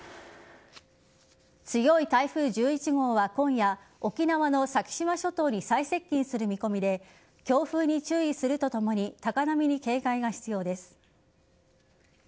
強い台風１１号は今夜沖縄の先島諸島に最接近する見込みで強風に注意するとともに高波に警戒が必要です。